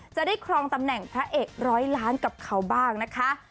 จะได้ครองตำแหน่งพระเอก๑๐๐ล้านกับเขาบ้างนะคะ